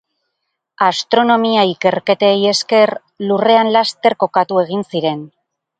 Astronomia ikerketei esker, lurrean laster kokatu egin ziren.